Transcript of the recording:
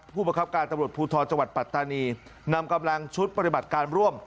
ประคับการตำรวจภูทรจังหวัดปัตตานีนำกำลังชุดปฏิบัติการร่วม